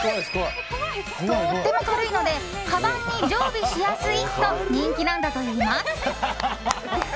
とっても軽いのでかばんに常備しやすいと人気なんだといいます。